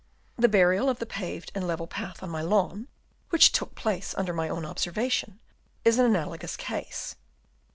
The burial of the paved and level path on my lawn, which took place under my own observation, is an analogous case.